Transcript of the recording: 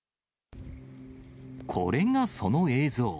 これがその映像。